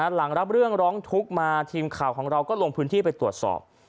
หลังรับเรื่องร้องทุกข์มาทีมข่าวของเราก็ลงพื้นที่ไปตรวจสอบ